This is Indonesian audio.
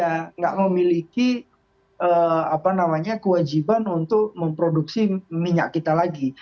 tidak memiliki kewajiban untuk memproduksi minyak kita lagi